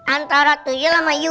antara tuyul sama yuyuk